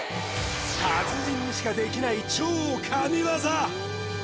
達人にしかできない超神業！